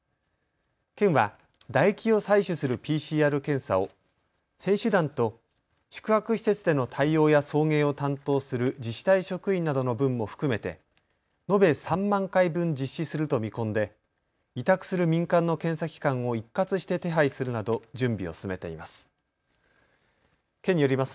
県は唾液を採取するＰＣＲ検査を選手団と宿泊施設への対応や送迎を担当する自治体職員などの分も含めて延べ３万回分実施すると見込んで委託する民間の検査機関を一括して手配するなど準備を進めています。